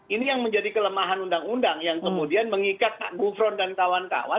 ini yang menjadi kelemahan undang undang yang kemudian mengikat pak gufron dan kawan kawan